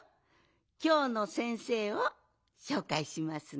きょうの先生をしょうかいしますね。